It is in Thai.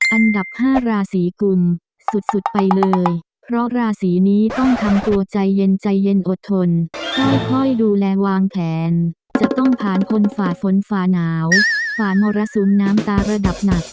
อันดับ๕ราศีกุลสุดสุดไปเลยเพราะราศีนี้ต้องทำตัวใจเย็นใจเย็นอดทนค่อยดูแลวางแผนจะต้องผ่านคนฝ่าฝนฝ่าหนาวฝ่ามรสุมน้ำตาระดับหนัก